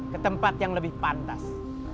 ke tempat yang lebih pantas